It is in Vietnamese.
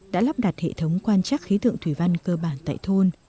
đã lắp đặt hệ thống quan trắc khí tượng thủy văn cơ bản tại thôn